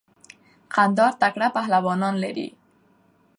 قندهار تکړه پهلوانان لری.